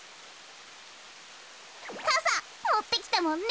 かさもってきたもんね。